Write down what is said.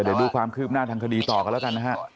เดี๋ยวดูความคืบหน้าทางคดีต่อกันแล้วกันนะฮะ